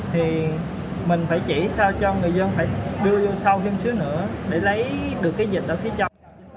thì mình phải chỉ sao cho người dân phải đưa vô sau chút nữa để lấy được cái dịch ở phía trong